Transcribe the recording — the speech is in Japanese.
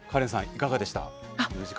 いかがでしたか。